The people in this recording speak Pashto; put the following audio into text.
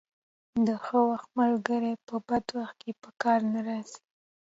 د ښه وخت ملګري په بد وخت کې په کار نه راځي.